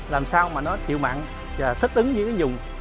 làm sao mà nó chịu mặn và thích ứng với cái dùng